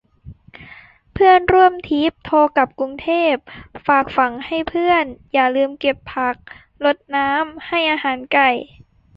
เพื่อนร่วมทริป โทรกลับกรุงเทพ ฝากฝังให้เพื่อนอย่าลืมเก็บผัก รดน้ำ ให้อาหารไก่